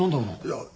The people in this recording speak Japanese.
いや。